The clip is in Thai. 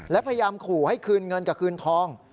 และพยายามขู่ให้คืนเงินกับคืนทอง